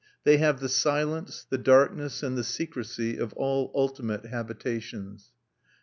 They have the silence, the darkness and the secrecy of all ultimate habitations.